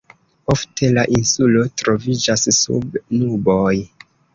Ofte la insulo troviĝas sub nuboj.